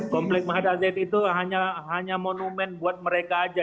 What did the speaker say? komplek mahad al zaitun itu hanya monumen buat mereka saja